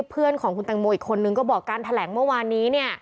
เพื่อนของคุณแตงโมอีกคนนึงก็บอกการแถลงเมื่อวานนี้